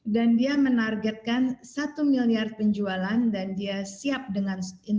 dan dia menargetkan satu miliar penjualan dan dia siapkan kekuatan itu untuk menjualnya di sini